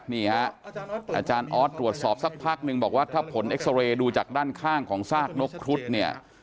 นี่ฮะอาจารย์ออสตรวจสอบสักพักนึงบอกว่าถ้าผลเอ็กซอเรย์ดูจากด้านข้างของซากนกครุฑเนี่ย